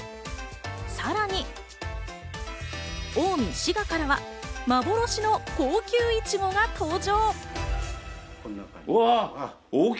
さらに、近江・滋賀からは、幻の高級いちごが登場。